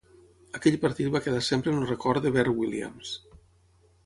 Aquell partit va quedar sempre en el record de Bert Williams.